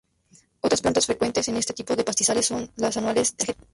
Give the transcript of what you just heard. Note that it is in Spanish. Otras plantas frecuentes en este tipo de pastizales son las anuales "Tagetes sp.